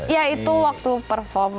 ya itu waktu perform